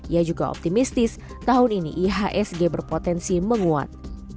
ia juga optimistis tahun ini ihsg berpotensi menguat